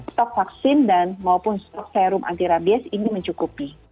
stok vaksin dan maupun stok serum antirabies ini mencukupi